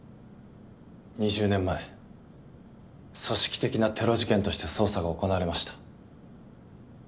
２０年前組織的なテロ事件として捜査が行われました。